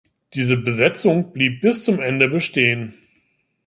Diese Besetzung blieb bis zum Ende bestehen.